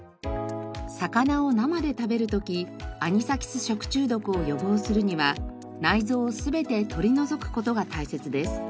魚を生で食べる時アニサキス食中毒を予防するには内臓を全て取り除く事が大切です。